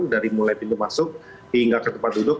dari mulai pintu masuk hingga ke tempat duduk